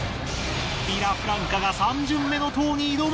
ヴィラフランカが３巡目の塔に挑む。